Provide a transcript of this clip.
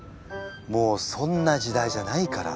もうそんな時代じゃないから。